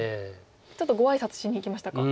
ちょっとご挨拶しにいきましたか。